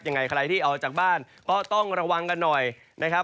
ยังไงใครที่ออกจากบ้านก็ต้องระวังกันหน่อยนะครับ